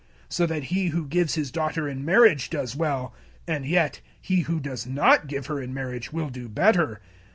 007:038 So that he who gives his daughter in marriage does well, and yet he who does not give her in marriage will do better.